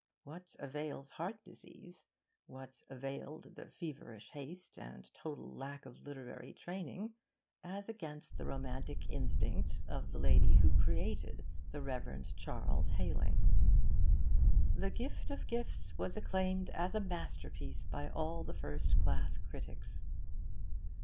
What avails heart disease, and feverish haste and total lack of literary training, as against the romantic instinct of the lady who created the Rev. Charles Hailing? 'THE GIFT OF GIFTS was acclaimed as a masterpiece by all the first class critics.